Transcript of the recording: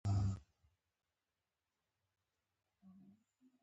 نن سبا تعلیم د ټېپرو په بیه ویل کېږي.